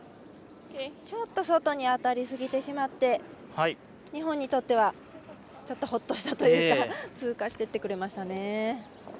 ちょっと外に当たりすぎてしまって日本にとってはちょっとほっとしたというか通過してってくれましたね。